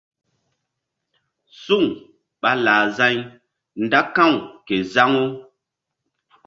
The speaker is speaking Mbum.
Suŋ ɓa lah za̧y nda ka̧w ke zaŋu.